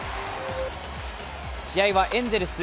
試合はエンゼルス